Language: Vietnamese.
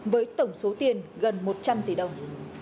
với tổng số tiền gần một trăm linh tỷ đồng